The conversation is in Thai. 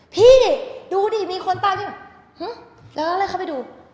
พี่ดูดิมีคนตามอยู่